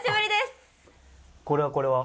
これはこれは。